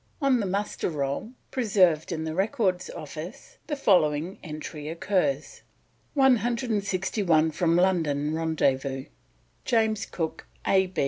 On the Muster Roll, preserved in the Records Office, the following entry occurs: "161 from London rendezvous, James Cook, A.